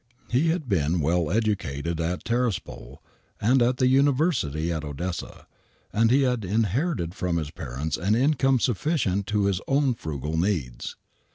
He had been well educated at Taraspol and at the University at Odessa, and he had inherited from his parents an income sufficient to his own frugal needs.